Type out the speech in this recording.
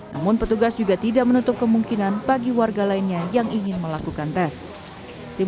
namun petugas juga tidak menutup kemungkinan bagi warga lainnya yang ingin melakukan tes